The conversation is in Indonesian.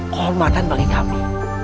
kehormatan bagi kami